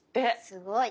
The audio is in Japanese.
すごい。